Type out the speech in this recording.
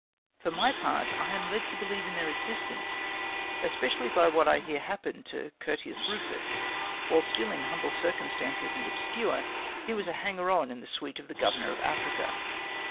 For my part, I am led to believe in their existence, especially by what I hear happened to Curtius Rufus. While still in humble circumstances and obscure, he was a hanger on in the suite of the Governor of Africa.